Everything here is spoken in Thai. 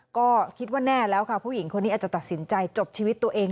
ก็คิดว่าแน่แล้วค่ะผู้หญิงคนนี้อาจจะตัดสินใจจบชีวิตตัวเอง